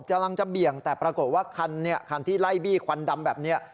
กำลังจะเบี่ยงแต่ปรากฏว่าคันที่ไล่บี้ควันดำแบบนี้